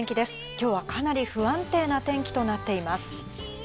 今日はかなり不安定な天気となっています。